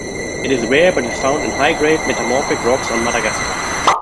It is rare, but is found in high-grade metamorphic rocks on Madagascar.